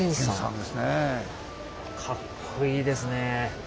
かっこいいですねえ。